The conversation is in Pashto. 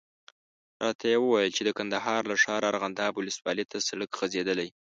راته یې وویل چې د کندهار له ښاره ارغنداب ولسوالي ته سړک غځېدلی.